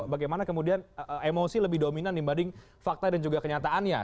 bagaimana kemudian emosi lebih dominan dibanding fakta dan juga kenyataannya